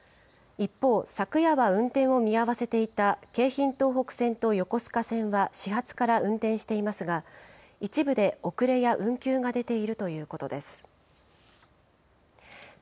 一方、昨夜は運転を見合わせていた京浜東北線と横須賀線は運転していますが、一部で遅れや運休が出ているということです。